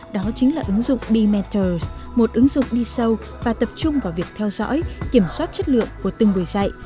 đó chính là ứng dụng bementors một ứng dụng đi sâu và tập trung vào việc theo dõi kiểm soát chất lượng của từng buổi dạy